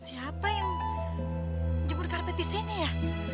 siapa yang jemur karpet disini ya